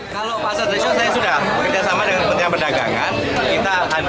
kalau pasar tradisional saya sudah bekerjasama dengan peternak perdagangan